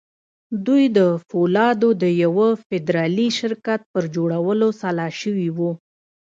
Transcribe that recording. دوی د پولادو د يوه فدرالي شرکت پر جوړولو سلا شوي وو.